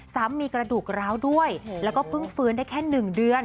ซ้ำมีกระดูกร้าวด้วยแล้วก็เพิ่งฟื้นได้แค่๑เดือน